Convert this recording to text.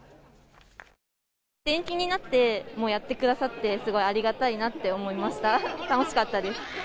延期になってもやってくださって、すごいありがたいなって思いました。